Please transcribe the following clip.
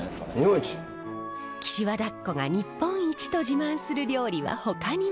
岸和田っ子が日本一と自慢する料理はほかにも。